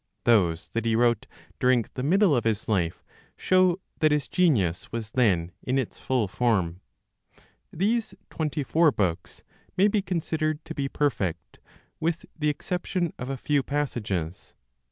Those that he wrote during the middle of his life, show that his genius was then in its full form. These twenty four books may be considered to be perfect, with the exception of a few passages.